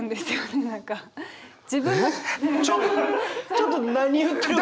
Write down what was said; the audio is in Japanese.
ちょっと何言ってるか。